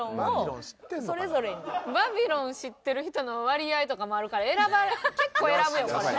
バビロン知ってる人の割合とかもあるから結構選ぶよこれ。